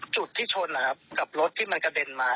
จุดที่ชนนะครับกับรถที่มันกระเด็นมา